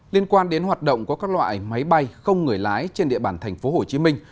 liên quan đến hoạt động của các loại máy bay không người lái trên địa bàn thành phố hồ chí minh